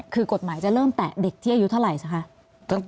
คือกฎหมายจะเริ่มแตะเด็กที่อายุเท่าไหร่ใช่ไหมคะ